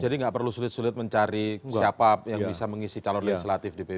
jadi gak perlu sulit sulit mencari siapa yang bisa mengisi calon legislatif di pbb